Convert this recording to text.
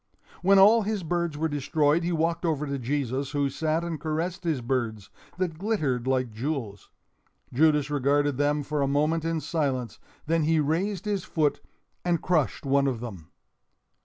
When all his birds were destroyed, he walked over to Jesus, who sat and caressed his birds—that glittered like jewels. Judas regarded them for a moment in silence, then he raised his foot and crushed one of them.